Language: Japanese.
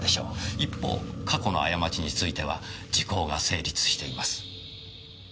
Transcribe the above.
一方過去の過ちについては時効が成立しています。